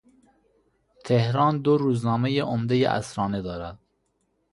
تهران دو روزنامهی عمدهی عصرانه دارد.